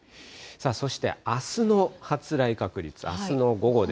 そしてあすの発雷確率、あすの午